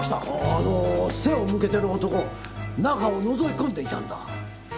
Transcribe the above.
あの背を向けている男中をのぞき込んでいたんだ。